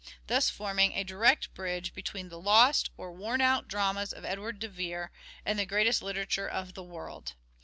thus forming a direct bridge between the " lost or worn out " dramas of Edward de Vere and " the greatest literature of the world."